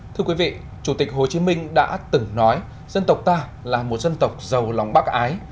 thưa quý vị chủ tịch hồ chí minh đã từng nói dân tộc ta là một dân tộc giàu lòng bác ái